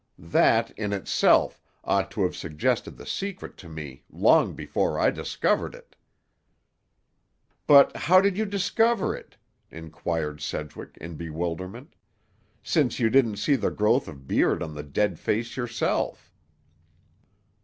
That, in itself, ought to have suggested the secret to me, long before I discovered it." "But how did you discover it?" inquired Sedgwick in bewilderment; "since you didn't see the growth of beard on the dead face yourself?"